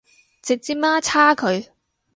直接媽叉佢